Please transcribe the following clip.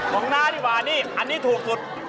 อ้อของน้านี่บ้างอันนี้ถูกสุด